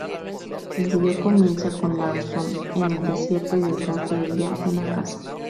El vídeo comienza con Larsson en el desierto y detrás de ella una casa.